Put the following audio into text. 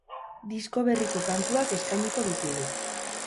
Disko berriko kantuak eskainiko ditugu.